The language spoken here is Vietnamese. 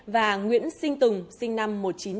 và nguyễn sinh tùng sinh năm một nghìn chín trăm tám mươi